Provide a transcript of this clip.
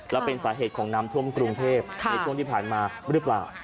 แล้วเป็นสาเหตุของน้ำท่วมกรุงเทพในช่วงที่ผ่านมาหรือเปล่า